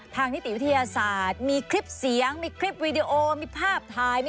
นิติวิทยาศาสตร์มีคลิปเสียงมีคลิปวีดีโอมีภาพถ่าย